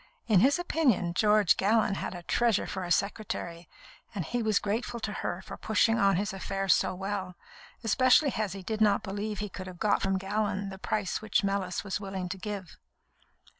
In his opinion, George Gallon had a treasure for a secretary, and he was grateful to her for pushing on his affairs so well, especially as he did not believe he could have got from Gallon the price which Mellis was willing to give.